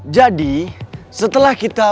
jadi setelah kita